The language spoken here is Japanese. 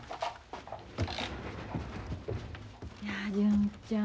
いや純ちゃん